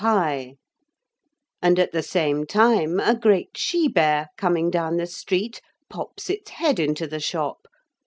gif)] and at the same time a great she bear, coming down the street, pops its head into the shop.